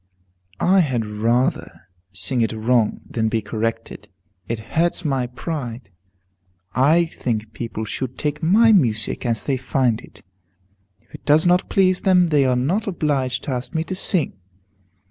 I had rather sing it wrong, than be corrected. It hurts my pride. I think people should take my music as they find it. If it does not please them, they are not obliged to ask me to sing.